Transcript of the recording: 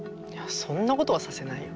そんなことはさせないよ。